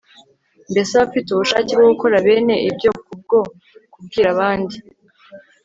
Mbese abafite ubushake bwo gukora bene ibyo kubwo kubwira abandi